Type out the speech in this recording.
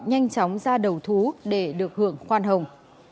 nhanh chóng ra đầu thú để được hưởng khoan hồng